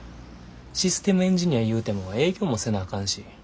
システムエンジニアいうても営業もせなあかんし。